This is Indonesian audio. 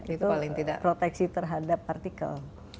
itu proteksi terhadap partikel